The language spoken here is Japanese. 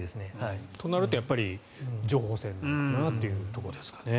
となると情報戦なのかなというところですかね。